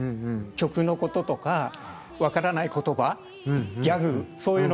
曲のこととか分からない言葉ギャグそういうのもね